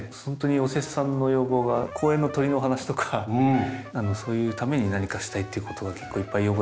ホントにお施主さんの要望が公園の鳥の話とかそういうために何かしたいっていう事が結構いっぱい